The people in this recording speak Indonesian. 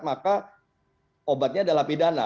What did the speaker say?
maka obatnya adalah pidana